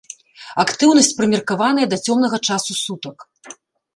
Актыўнасць прымеркаваная да цёмнага часу сутак.